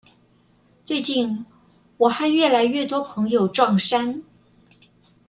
最近，我和越來越多朋友撞衫